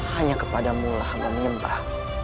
hanya kepadamu lah yang menyembah